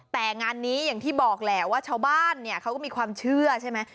แต่งานนี้อย่างที่บอกแหละว่าชาวบ้านเนี่ยเขาก็มีความเชื่อใช่ไหม